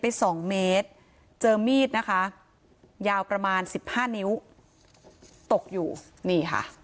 สองเมตรเจอมีดนะคะยาวประมาณสิบห้านิ้วตกอยู่นี่ค่ะ